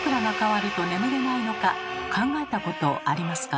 考えたことありますか？